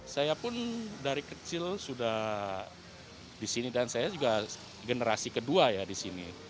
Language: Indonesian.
saya pun dari kecil sudah disini dan saya juga generasi kedua ya disini